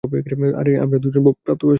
আরে, আমরা দুজনই প্রাপ্তবয়স্ক।